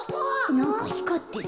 なんかひかってる。